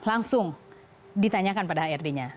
langsung ditanyakan pada hrd nya